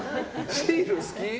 シール好き？